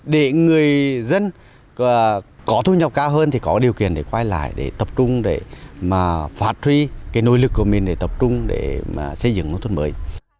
để người dân có thu nhập cao hơn thì có điều kiện để quay lại để tập trung để mà phát tri cái nỗ lực của mình để tập trung để xây dựng nông thôn mới